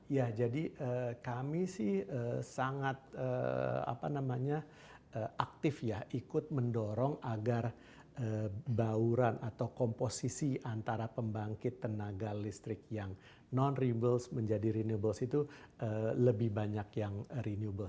ya jadi kami sih sangat aktif ya ikut mendorong agar bauran atau komposisi antara pembangkit tenaga listrik yang non rebables menjadi renewables itu lebih banyak yang renewable